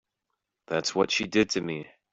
That's what she did to me.